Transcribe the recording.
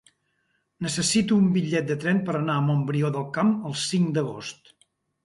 Necessito un bitllet de tren per anar a Montbrió del Camp el cinc d'agost.